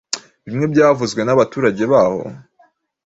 bimwe byavuzwe nabaturage baho